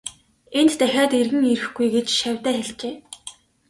Энд дахиад эргэн ирэхгүй гэж шавьдаа хэлжээ.